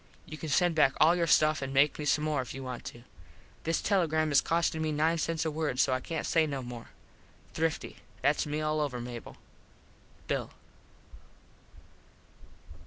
You can send back all your stuff and make me some more if you want to. This telegram is costing me nine cents a word so I cant say no more now. Thrifty. Thats me all over, Mable. Bill.